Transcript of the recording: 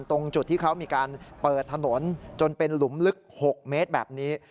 ตรงจุดที่เขามีการเปิดถนนจนเป็นหลุมลึก๖เมตรแบบนี้